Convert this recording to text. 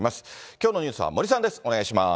きょうのニュースは森さんです。